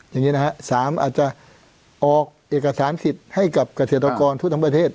อย่างนี้นะฮะ๓อาจจะออกเอกสารสิทธิ์ให้กับเกษตรกรทั่วทั้งประเทศ